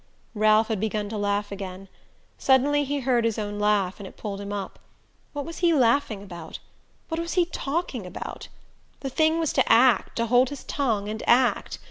Ralph had begun to laugh again. Suddenly he heard his own laugh and it pulled him up. What was he laughing about? What was he talking about? The thing was to act to hold his tongue and act.